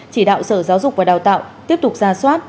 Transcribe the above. chỉ đạo sở giáo dục và đào tạo tiếp tục ra soát